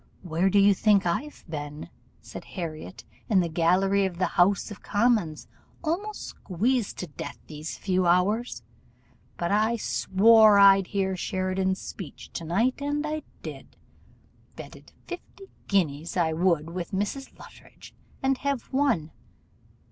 'Where do you think I've been?' said Harriot; 'in the gallery of the House of Commons; almost squeezed to death these four hours; but I swore I'd hear Sheridan's speech to night, and I did; betted fifty guineas I would with Mrs. Luttridge, and have won.